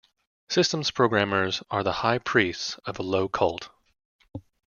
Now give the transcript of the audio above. Systems programmers are the high priests of a low cult.